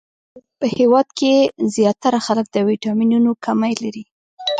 په هیواد کښی ځیاتره خلک د ويټامنونو کمې لری